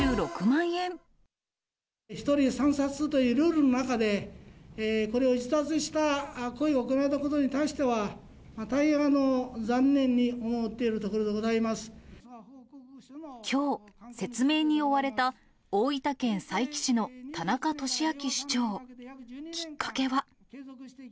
１人３冊というルールの中で、これを逸脱した行為が行われたことに対しては、大変残念に思ってきょう、説明に追われた大分県佐伯市の田中利明市長。きっかけは。